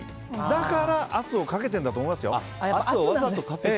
だから、圧をかけてるんだと思いますよ。